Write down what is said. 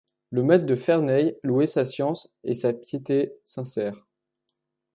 Le maitre de Ferney louait sa science et sa piété sincère.